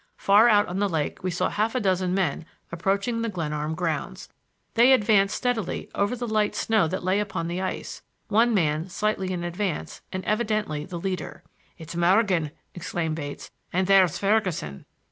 Far out on the lake we saw half a dozen men approaching the Glenarm grounds. They advanced steadily over the light snow that lay upon the ice, one man slightly in advance and evidently the leader. "It's Morgan!" exclaimed Bates. "And there's Ferguson."